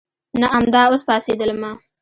نه امدا اوس پاڅېدلمه.